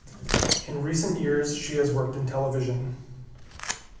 In recent years she has worked in television.